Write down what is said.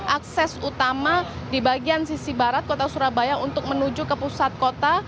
akses utama di bagian sisi barat kota surabaya untuk menuju ke pusat kota